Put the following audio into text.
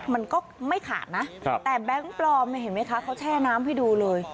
มันก็ไม่ขาดนะแต่แบงค์ปลอมเห็นไหมคะเขาแช่น้ำให้ดูเลย